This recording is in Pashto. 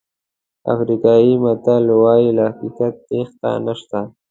افریقایي متل وایي له حقیقت تېښته نشته.